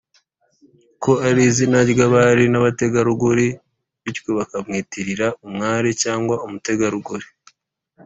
ko ari izina ry abari n abategarugori bityo bakamwitirira umwari cyangwa umutegarugori